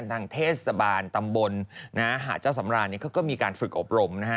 ทางเทศบาลตำบลนะฮะหาดเจ้าสำรานนี้เขาก็มีการฝึกอบรมนะฮะ